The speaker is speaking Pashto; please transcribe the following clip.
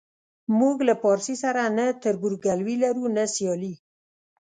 موږ له پارسي سره نه تربورګلوي لرو نه سیالي.